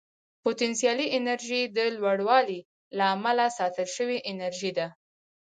پوتنسیالي انرژي د لوړوالي له امله ساتل شوې انرژي ده.